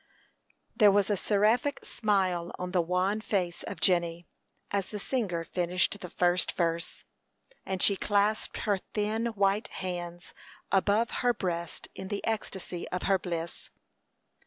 There was a seraphic smile on the wan face of Jenny as the singer finished the first verse, and she clasped her thin white hands above her breast in the ecstasy of her bliss.